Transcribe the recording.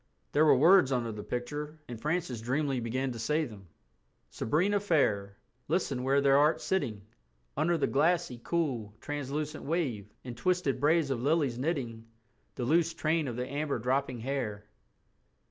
There were words under the picture, and Francis dreamily began to say them: "'_Sabrina fair, Listen where thou art sitting, Under the glassie, cool, translucent wave In twisted braids of Lillies knitting The loose train of thy amber dropping hair....